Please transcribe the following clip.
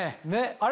あれ？